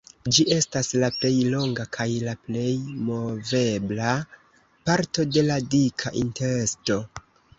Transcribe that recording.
Ĝi estas la plej longa kaj la plej movebla parto de la dika intesto.